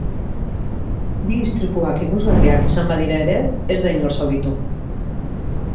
Bi istripuak ikusgarriak izan badira ere, ez da inor zauritu.